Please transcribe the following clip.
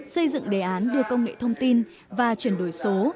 xây dựng đề án đưa công nghệ thông tin và chuyển đổi số